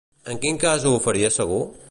En quin cas ho faria segur?